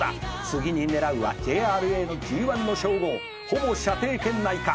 「次に狙うはＪＲＡのＧⅠの称号」「ほぼ射程圏内か。